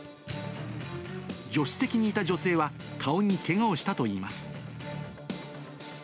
助手席にいた女性は顔にけがをしたといいます。